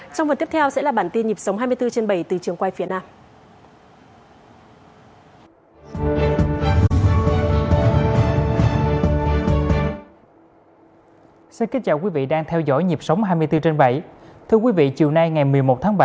trong phần tiếp theo sẽ là bản tin nhịp sống hai mươi bốn trên bảy từ trường quay phía nam